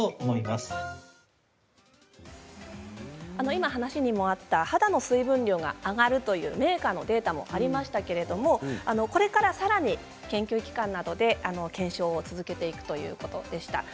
今お話にあった肌の水分量が上がるというメーカーのデータもありましたけれどもこれからさらに研究機関などで検証を続けていくということでした。